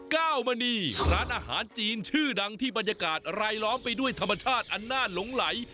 เก้ามณีร้านอาหารจีนชื่อดังที่บรรยากาศรายล้อมไปด้วยธรรมชาติอันน่าหลงไหล